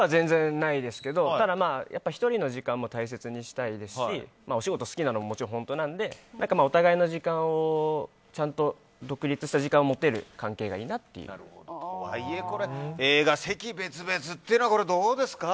ないですけどただ、１人の時間も大切にしたいですしお仕事が好きなのはもちろん本当なのでお互いの時間ちゃんと独立した時間を持てる関係がいいなと。とはいえ、映画席別々ってのはどうですか？